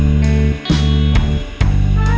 ก็มาเริ่มการแข่งขันกันเลยนะครับ